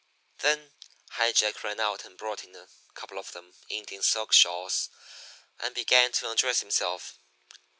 "Then High Jack ran out and brought in a couple of them Indian silk shawls and began to undress himself.